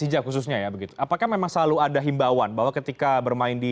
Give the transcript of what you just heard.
sejak khususnya ya begitu apakah memang selalu ada himbauan bahwa ketika bermain di